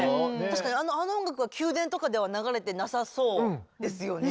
確かにあの音楽は宮殿とかでは流れてなさそうですよね。